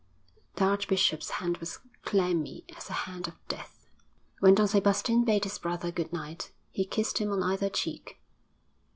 The archbishop's hand was clammy as a hand of death. When Don Sebastian bade his brother good night, he kissed him on either cheek.